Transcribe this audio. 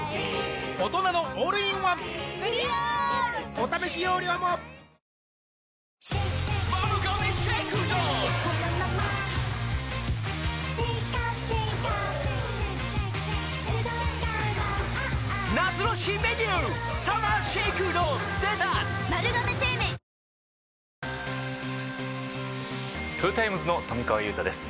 お試し容量もトヨタイムズの富川悠太です